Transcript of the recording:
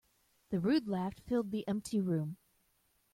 The rude laugh filled the empty room.